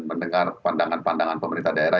mendengar pandangan pandangan pemerintah daerah